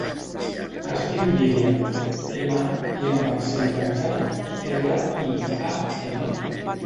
Es diu Míriam: ema, i amb accent tancat, erra, i, a, ema.